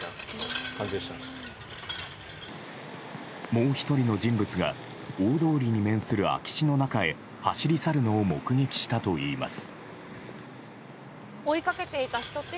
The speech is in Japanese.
もう１人の人物が大通りに面する空き地の中へ走り去るのを目撃したといいます。